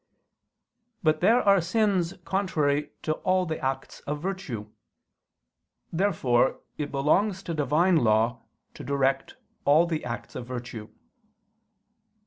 But there are sins contrary to all the acts of virtue. Therefore it belongs to Divine law to direct all the acts of virtue.